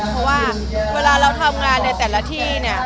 เพราะว่าเวลาเราทำงานในแต่ละที่เนี่ย